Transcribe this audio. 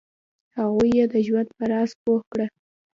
هغوی یې د ژوند په راز پوه کړه.